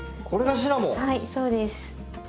はいそうです。